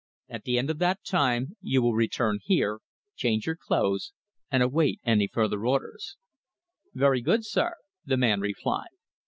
At the end of that time you will return here, change your clothes, and await any further orders." "Very good, sir," the man replied.